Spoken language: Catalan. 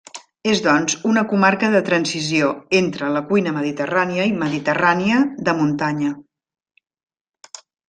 És, doncs, una comarca de transició entre la cuina mediterrània i mediterrània de muntanya.